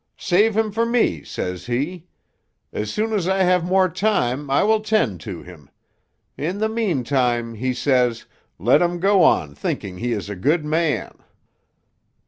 'Save him for me,' says he. 'As soon as I have more time I will 'tend to him. In the meantime,' he says, 'let him go on thinking he is a good man.